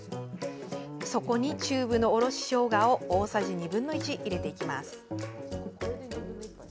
そこにチューブのおろししょうが大さじ２分の１入れていきます。